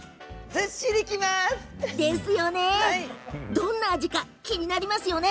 どんな味か気になりますよね。